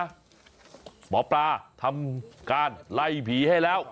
หมอปลาทำการไล่ผีให้แล้ว